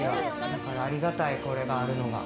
だからありがたい、これがあるのが。